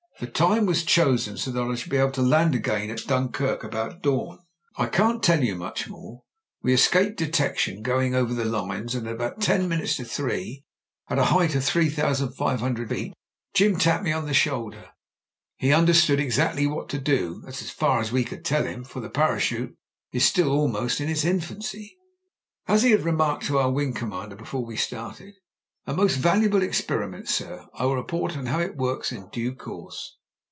The time was chosen so that I should be able to land again at Dun kirk about dawn. "I can't tell you much more. We escaped detection going over the lines, and about ten minutes to three, at fi height of three thousand five hundred, old Jim tapped 142 MEN, WOMEN AND GUNS me on the shoulder. He understood exactly what to do — ^as far as we could tell him : for the parachute is still almost in its infancy. "As he had remarked to our wing commander be fore we started: 'A most valuable experiment, sir; I will report on how it works in due course.'